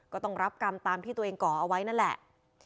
ก็ต้องรับกรรมตามที่ตัวเองก่อเอาไว้นั่นแหละ